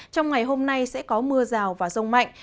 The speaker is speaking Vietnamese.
trong ngày hôm nay sẽ có mưa rào và rông mạnh